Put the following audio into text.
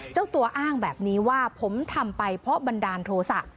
เจ้าตัวอ้างแบบนี้ว่าผมทำไปเพราะบันดาลโทษะ